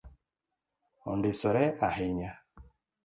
Ondisore ahinya